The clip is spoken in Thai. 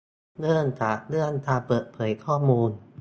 เริ่มจากเรื่องการเปิดเผยข้อมูล